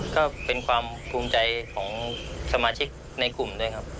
ก็เป็นความภูมิใจของสมาชิกในกลุ่มด้วยครับ